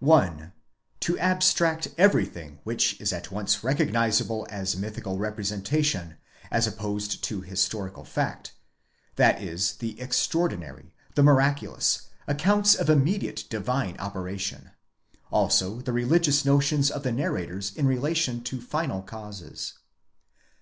1. To abstract every thing which is at once recognizable as mythical representation as opposed to historical fact ; that is the extraordinary, the miraculous, accounts of imme diate divine operation, also the religious notions of the narrators in relation to final causes.